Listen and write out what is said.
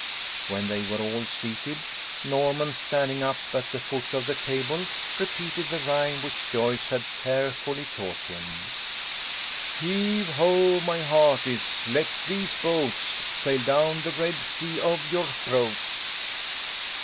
When they were all seated, Norman, standing up at the foot of the table, repeated the rhyme which Joyce had carefully taught him :Heave ho, my hearties, let these boats Sail down the Red Sea of your throats."